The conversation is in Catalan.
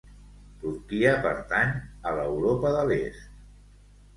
Turquia pertany a l'Europa de l'Est.